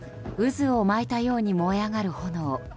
渦を巻いたように燃え上がる炎。